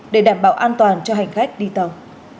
để đảm bảo an toàn cho hành khách đi tàu